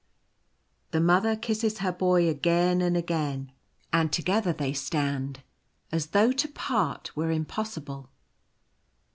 The Mother kisses her Boy again and again; and 84 Calm at sea. together they stand, as though to part were impos sible.